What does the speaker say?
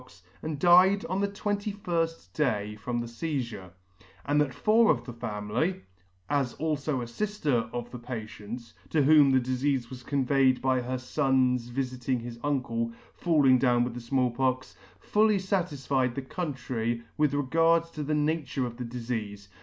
x, and died on the twenty firft day from the feizure : and that four of the family, as alfo a After of the pa tient's, to whom the difeafe was conveyed by her Ton's vifiting his uncle, falling down with the Small Pox, fully fatisfied the country with regard to the nature of the difeafe